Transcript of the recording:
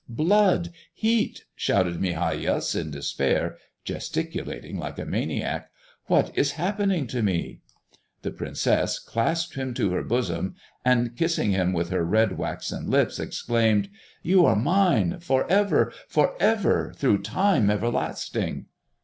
blood! heat!" shouted Migajas, in despair, gesticulating like a maniac. "What is happening to me?" The princess clasped him to her bosom, and kissing him with her red, waxen lips, exclaimed: "You are mine, forever, forever, through time everlasting!"